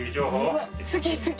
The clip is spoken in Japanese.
好き好き。